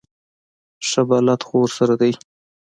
ښه بلد خو ورسره دی.